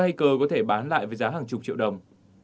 hai cơ có thể bán lại với giá hàng chục triệu đồng